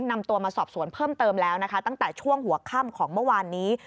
นำตัวมาสอบสวนเพิ่มเติมแล้วนะคะตั้งแต่ช่วงหัวค่ำของเมื่อวานนี้